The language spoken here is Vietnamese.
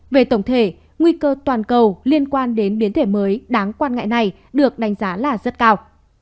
về tổng thể nguy cơ toàn cầu liên quan đến biến thể mới đáng quan ngại này được đánh giá là rất cao